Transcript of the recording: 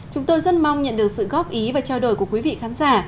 chúng tôi rất mong nhận được sự góp ý và trao đổi của quý vị khán giả